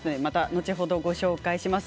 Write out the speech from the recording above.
後ほどご紹介します。